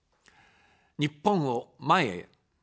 日本を、前へ。